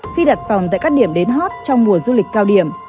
khi đặt phòng tại các điểm đến hot trong mùa du lịch cao điểm